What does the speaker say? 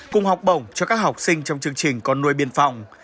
cùng học bổng cho các học sinh trong chương trình con nuôi biên phòng